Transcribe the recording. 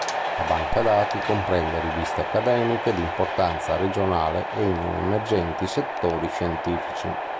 La banca dati comprende "riviste accademiche di importanza regionale e in emergenti settori scientifici".